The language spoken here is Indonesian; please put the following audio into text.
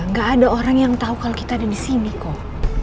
nggak ada orang yang tahu kalau kita ada disini kok